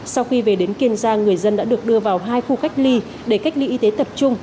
sau khi về đến kiên giang người dân đã được đưa vào hai khu cách ly để cách ly y tế tập trung